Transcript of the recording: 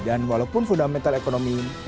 dan walaupun fundamental economy hendaknya